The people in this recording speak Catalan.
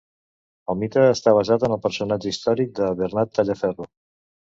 El mite està basat en el personatge històric de Bernat Tallaferro.